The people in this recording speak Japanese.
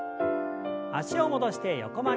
脚を戻して横曲げです。